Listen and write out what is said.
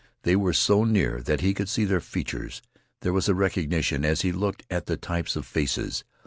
They were so near that he could see their features. There was a recognition as he looked at the types of faces.